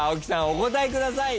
お答えください。